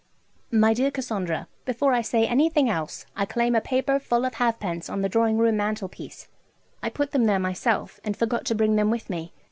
'MY DEAR CASSANDRA, 'Before I say anything else, I claim a paper full of halfpence on the drawing room mantel piece; I put them there myself, and forgot to bring them with me.